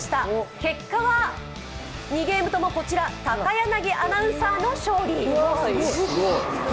結果は２ゲームとも高柳アナウンサーの勝利。